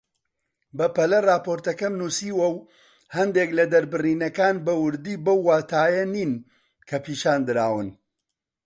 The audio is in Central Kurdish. بەپەلە راپۆرتەکەم نووسیوە و هەندێک لە دەربڕینەکان بە وردی بەو واتایە نین کە پیشاندراون